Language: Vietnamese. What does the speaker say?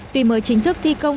tuy mới chính thức thi công